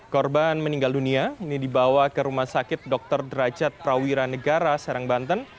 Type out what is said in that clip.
korban meninggal dunia ini dibawa ke rumah sakit dr derajat prawira negara serang banten